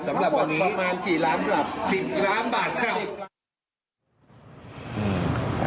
สำหรับวันนี้๑๐ล้านบาทครับ